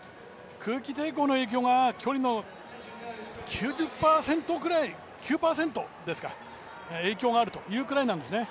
空気抵抗の影響が距離の９９％ぐらい影響があるというくらいなんですね。